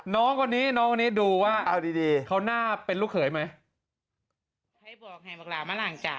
น้องคนนี้ดูว่าเขาน่าเป็นลูกเขยไหม